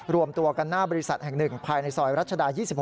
รวมตัวกันหน้าบริษัทแห่ง๑ภายในซอยรัชดา๒๖